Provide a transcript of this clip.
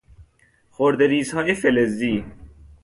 خرده ریزهای فلزی